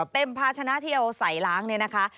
ภาชนะที่เอาใส่ล้างเนี่ยนะคะ